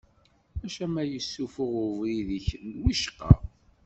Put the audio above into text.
Maca ma yessufuɣ ubrid-ik wicqa.